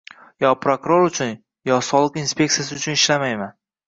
yo prokuror uchun, yo soliq inspeksiyasi uchun ishlamayman.